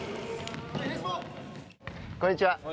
こんにちは。